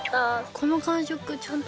この感触。